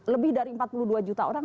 lebih dari empat puluh dua juta orang